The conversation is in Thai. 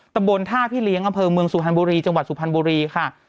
ตำบลท่าพี่เลี้ยงอำเภอเมืองสุพรรณบุรีจังหวัดสุพรรณบุรีค่ะ